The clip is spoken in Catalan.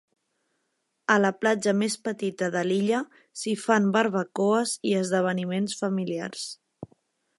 A la platja més petita de l'illa s'hi fan barbacoes i esdeveniments familiars.